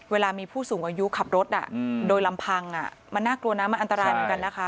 เวลามีผู้สูงอายุขับรถโดยลำพังมันน่ากลัวนะมันอันตรายเหมือนกันนะคะ